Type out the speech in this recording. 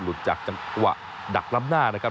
หลุดจากจังกว่าดักล้ำหน้านะครับ